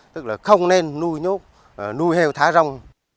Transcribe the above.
tức là không nên nuôi nhốt nuôi heo thả rông